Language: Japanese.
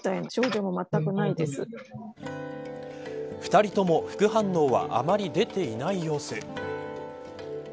２人とも副反応はあまり出ていない様子。